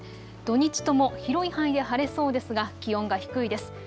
土日とも広い範囲で晴れそうですが気温が低いです。